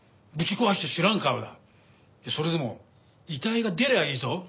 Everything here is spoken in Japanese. それでも遺体が出りゃいいぞ。